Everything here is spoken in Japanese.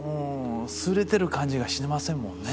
すれてる感じがしてませんもんね。